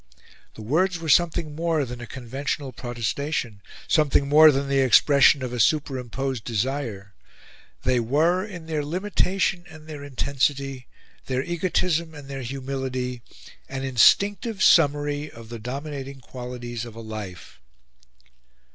The words were something more than a conventional protestation, something more than the expression of a superimposed desire; they were, in their limitation and their intensity, their egotism and their humility, an instinctive summary of the dominating qualities of a life.